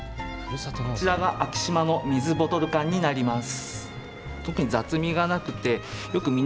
こちらが昭島の水ボトル缶になります。